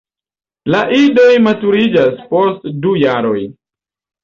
La idoj maturiĝas post du jaroj.